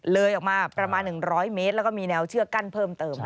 เลยออกมาประมาณ๑๐๐เมตรแล้วก็มีแนวเชือกกั้นเพิ่มเติม